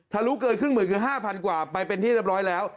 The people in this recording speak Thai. รู้เกินครึ่งหมื่นคือ๕๐๐กว่าไปเป็นที่เรียบร้อยแล้ว